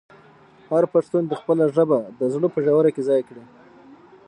هر پښتون دې خپله ژبه د زړه په ژوره کې ځای کړي.